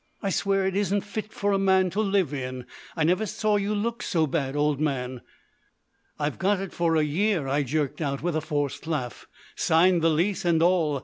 I swear it isn't fit for a man to live in. I never saw you look so bad, old man." "I've got it for a year," I jerked out, with a forced laugh; "signed the lease and all.